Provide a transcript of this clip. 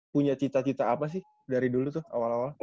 punya cita cita apa sih dari dulu tuh awal awal